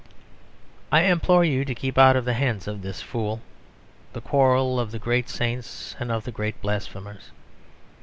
I implore you to keep out of the hands of this Fool the quarrel of the great saints and of the great blasphemers.